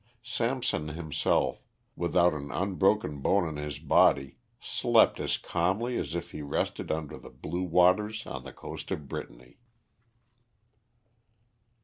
Samson himself, without an unbroken bone in his body, slept as calmly as if he rested under the blue waters on the coast of Brittany.